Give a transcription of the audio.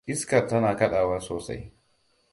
Iskar tana kaɗawa sosai.